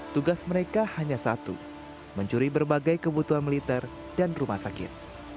tugas mereka hanya satu mencuri berbagai kebutuhan militer dan rumah sakit